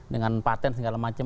dengan patent segala macam